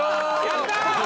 やったー！